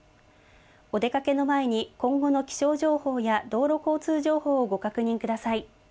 お出かけの前に今後の気象情報や道路交通情報をご確認ください。